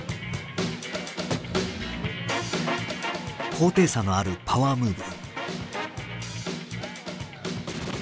高低差のあるパワームーブ。